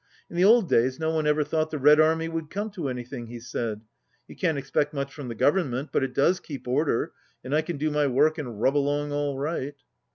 "In the old days no one ever thought the Red Army would come to anything," he said. "You can't expect much from the Government, but it does keep order, and I can do my work and rub along all right."